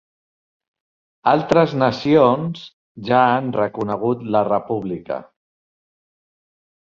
Altres nacions ja han reconegut la República.